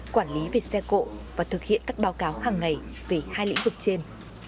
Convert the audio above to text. quản lý về xe cộ và thực hiện các báo cáo hàng ngày về hai lĩnh vực trên